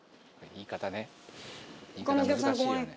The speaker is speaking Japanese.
言い方難しいよね。